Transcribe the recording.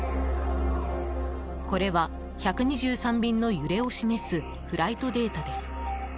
これは１２３便の揺れを示すフライトデータです。